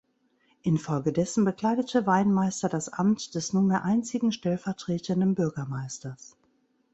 Infolgedessen bekleidete Weinmeister das Amt des (nunmehr einzigen) stellvertretenden Bürgermeisters.